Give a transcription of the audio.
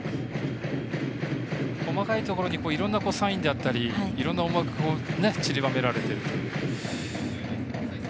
細かいところにいろんなサインだったりいろんな思惑がちりばめられているという。